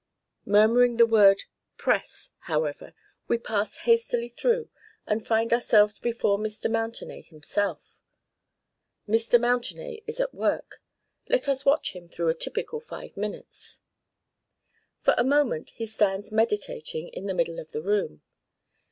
Murmuring the word, "Press," however, we pass hastily through, and find ourselves before Mr. Mountenay himself. Mr. Mountenay is at work; let us watch him through a typical five minutes. For a moment he stands meditating in the middle of the room.